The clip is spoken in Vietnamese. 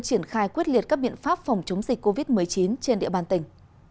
triển khai quyết liệt các biện pháp phòng chống dịch covid một mươi chín trên địa bàn tỉnh